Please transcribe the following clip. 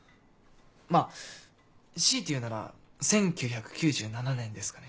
まぁ強いて言うなら１９９７年ですかね。